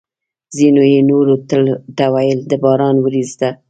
ځینو یې نورو ته ویل: د باران ورېځ ده!